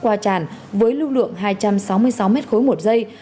qua tràn với lưu lượng hai trăm sáu mươi sáu m ba một giây